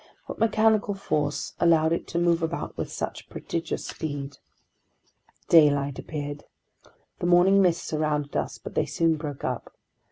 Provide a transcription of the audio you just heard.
What mechanical force allowed it to move about with such prodigious speed? Daylight appeared. The morning mists surrounded us, but they soon broke up.